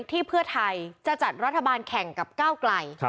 ที่เพื่อไทยจะจัดรัฐบาลแข่งกับก้าวไกล